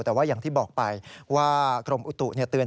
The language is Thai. แต่ว่าอย่างที่บอกไปว่ากรมอุตุเตือน